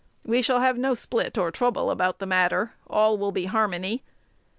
We shall have no split or trouble about the matter, all will be harmony.